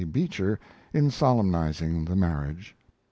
Beecher in solemnizing the marriage.